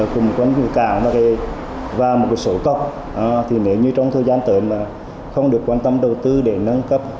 cùng quán quân cảng và một số góc nếu như trong thời gian tới mà không được quan tâm đầu tư để nâng cấp